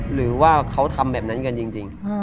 หรือว่าเขาทำแบบนั้นกันจริง